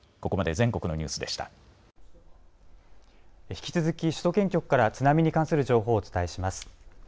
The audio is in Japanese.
引き続き首都圏局から津波に関する情報をお伝えします。